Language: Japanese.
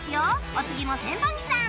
お次も千本木さん